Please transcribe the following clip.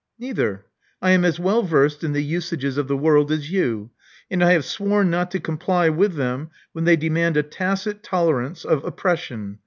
Neither. I am as well versed in the usages of the world as you ; and I have sworn not to comply with them when they demand a tacit tolerance of oppres sion.